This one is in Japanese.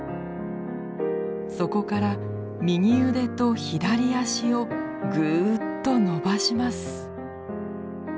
そこから右腕と左脚をぐっと伸ばします。